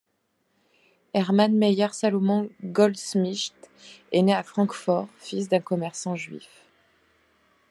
Hermann Meyer Salomon Goldschmidt est né à Francfort, fils d'un commerçant juif.